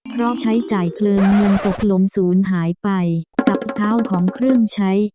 เพราะใช้จ่ายเพลิงเงินตกลมศูนย์หายไปกับเท้าของเครื่องใช้